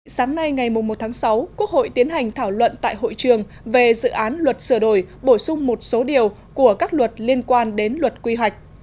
sáng nay ngày một tháng sáu quốc hội tiến hành thảo luận tại hội trường về dự án luật sửa đổi bổ sung một số điều của các luật liên quan đến luật quy hoạch